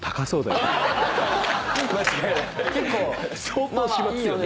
相当しますよね？